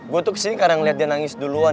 gue tuh kesini kadang liat dia nangis duluan